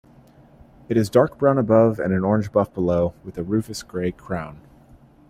It is dark brown above and orange-buff below, with a rufous grey crown.